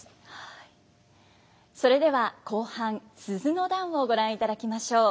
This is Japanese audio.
それでは後半「鈴の段」をご覧いただきましょう。